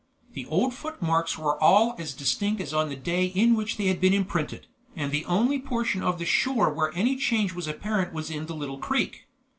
The old footmarks were all as distinct as on the day in which they had been imprinted, and the only portion of the shore where any change was apparent was in the little creek.